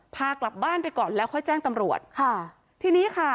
พากลับบ้านไปก่อนแล้วค่อยแจ้งตำรวจค่ะทีนี้ค่ะ